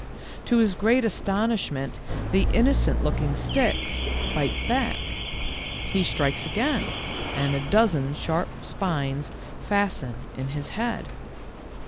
To his great astonishment the inno cent looking sticks bite back. He strikes again, and a dozen sharp spines fasten in his head.